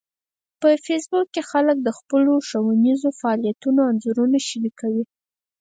په فېسبوک کې خلک د خپلو ښوونیزو فعالیتونو انځورونه شریکوي